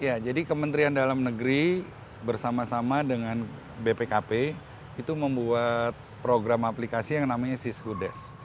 ya jadi kementerian dalam negeri bersama sama dengan bpkp itu membuat program aplikasi yang namanya siskudes